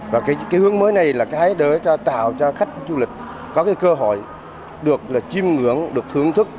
và cái hướng mới này là cái để tạo cho khách du lịch có cơ hội được chìm ngưỡng được thưởng thức